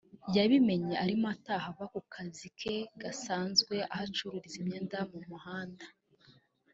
yabimenye arimo ataha ava ku kazi ke gasanzwe aho acururiza imyenda mu muhanda